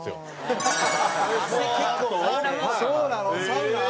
そうなの？